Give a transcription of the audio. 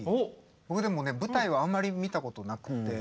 僕でもね舞台はあんまり見たことなくって。